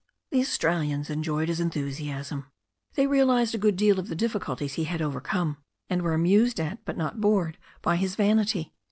The Australians enjoyed his enthusiasm. They realized a good deal of the difiiculties he had overcome, and were amused at but not bored by his vanity.